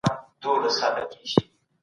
ایا واړه پلورونکي خندان پسته ساتي؟